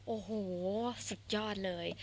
โอ้โหสุดยอดเลย